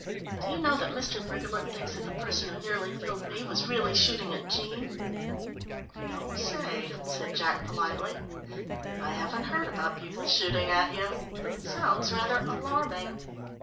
Do you know that Mr. Briggerland thinks that the person who nearly killed me was really shooting at Jean." "You don't say," said Jack politely. "I haven't heard about people shooting at you but it sounds rather alarming."